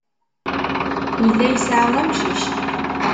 Yella yesɛa amcic.